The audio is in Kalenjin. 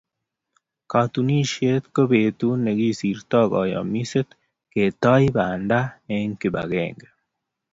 Katunisyet ko betut ne kisirtoe kayamiset, ketoi banda eng kibagenge.